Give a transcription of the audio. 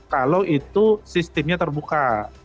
kalau itu sistemnya terbuka